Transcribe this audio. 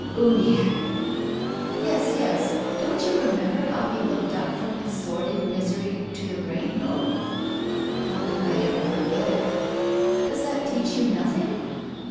" Uniacke !"" Yes, yes. Don't you remember how he looked up from his sordid misery to the rainbow ?"" How can I ever forget it ?"" Docs that teach you nothing?